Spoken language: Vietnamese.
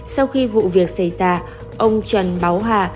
sau khi vụ việc xảy ra ông trần báu hà